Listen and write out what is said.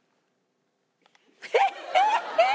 えっ！？